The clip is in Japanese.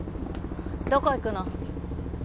どこ行くの？